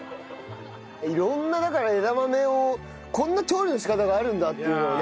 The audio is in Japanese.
色んなだから枝豆をこんな調理の仕方があるんだっていうのをね。